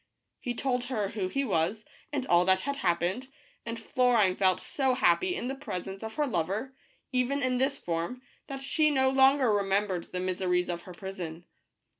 He told her who he was and all that had happened, and Florine felt so happy in the presence of her lover, even in this form, that she no longer remembered the miseries of her prison.